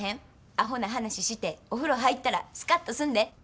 アホな話してお風呂入ったらスカッとすんで。